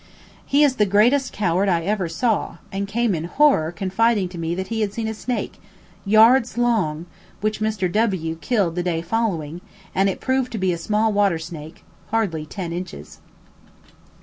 He is the greatest coward I ever saw, and came in horror confiding to me that he had seen a snake, yards long, which Mr. W killed the day following, and it proved to be a small water snake, hardly ten inches.